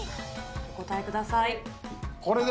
お答えください。